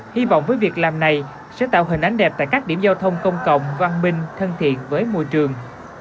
hy vọng với việc làm này sẽ tạo hình ánh đẹp tại các điểm giao thông công cộng văn minh thân thiện với môi trường